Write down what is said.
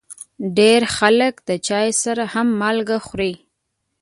ډېری خلک د چای سره هم مالګه خوري.